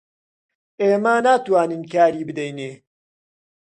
ئێمە ناتوانین کاری بدەینێ